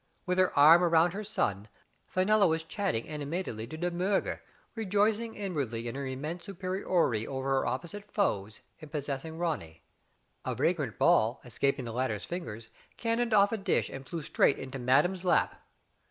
With her arm ' around her son, Fenella was chatting animatedly to De Miirger, rejoicing inwardly in her immense superiority over her opposite foes in possessing Ronny. A vagrant ball escaping the latter's fingers, can noned off a dish and flew straight into madame's lap.